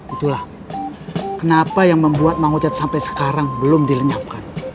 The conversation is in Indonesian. itulah kenapa yang membuat mang ujat sampe sekarang belum dilenyapkan